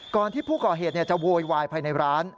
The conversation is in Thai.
ที่ผู้ก่อเหตุจะโวยวายภายในร้าน